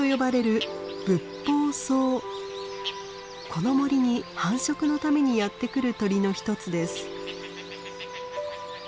この森に繁殖のためにやって来る鳥のひとつです。